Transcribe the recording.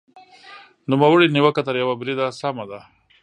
نوموړې نیوکه تر یوه بریده سمه ده.